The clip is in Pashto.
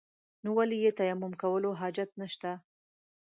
نو ولې يې تيمم کولو حاجت نشته.